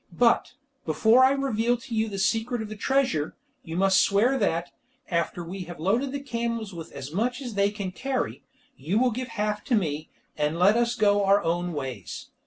But before I reveal to you the secret of the treasure, you must swear that, after we have loaded the camels with as much as they can carry, you will give half to me, and let us go our own ways.